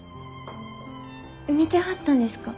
見てはったんですか？